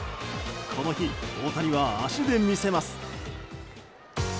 この日、大谷は足で見せます。